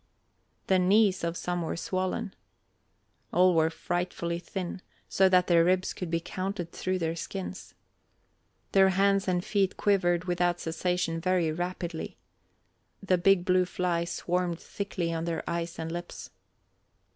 The knees of some were swollen. All were frightfully thin, so that their ribs could be counted through their skins. Their hands and feet quivered without cessation very rapidly. The big blue flies swarmed thickly on their eyes and lips.